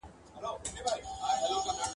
پر چنارونو به یې کښلي قصیدې وي وني ..